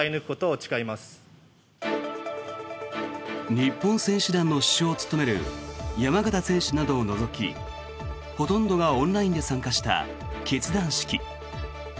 日本選手団の主将を務める山縣選手などを除きほとんどがオンラインで参加した結団式。